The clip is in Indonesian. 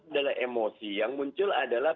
adalah emosi yang muncul adalah